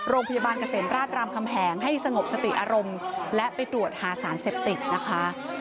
โรงพยาบาลเกษมราชรามคำแหงให้สงบสติอารมณ์และไปตรวจหาสารเสพติดนะคะ